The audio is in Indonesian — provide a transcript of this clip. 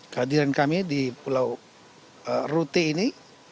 kehadiran kami di pulau rute ini